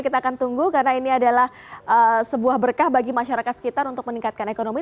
kita akan tunggu karena ini adalah sebuah berkah bagi masyarakat sekitar untuk meningkatkan ekonomi